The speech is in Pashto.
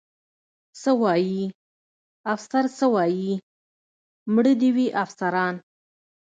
څه وایي؟ افسر څه وایي؟ مړه دې وي افسران.